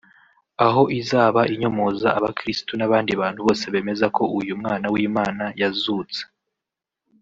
aho izaba inyomoza abakristu n’abandi bantu bose bemeza ko uyu mwana w’Imana yazutse